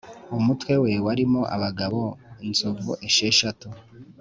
Umutwe we warimo abagabo inzovu esheshatu